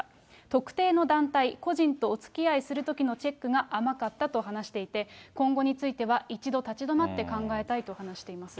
特定の団体、個人とおつきあいするときのチェックが甘かったと話していて、今後については、一度立ち止まって考えたいと話しています。